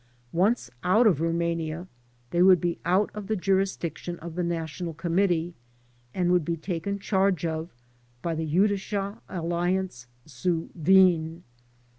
Once out of Rumania, they would be out of the jurisdiction of the national committee and would be taken charge of by the Jttdische Allianz zu Wien.